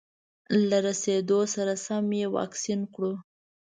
له رسېدو سره سم یې واکسین کړو.